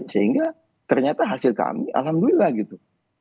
sehingga ternyata hasil kami alhamdulillah gitu